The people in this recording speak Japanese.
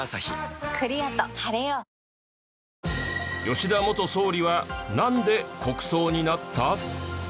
吉田元総理はなんで国葬になった？